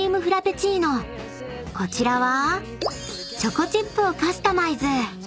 ［こちらは］